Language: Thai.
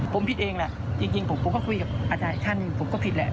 ผมผิดเองแหละจริงผมก็คุยกับอาจารย์อีกท่านหนึ่งผมก็ผิดแหละ